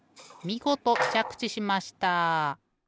みごとちゃくちしました。